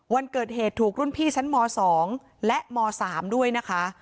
วันเกิดเหตุถูกรุ่นพี่ชั้นหมอสองและหมอสามด้วยนะคะ